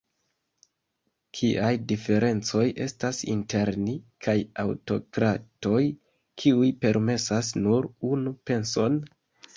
Kiaj diferencoj estas inter ni kaj aŭtokratoj, kiuj permesas nur unu penson?